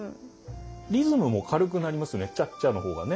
リズムも軽くなりますね「ちゃっちゃっ」の方がね。